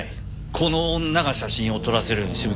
この女が写真を撮らせるように仕向けてる。